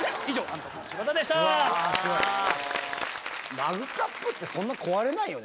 マグカップってそんな壊れないよね。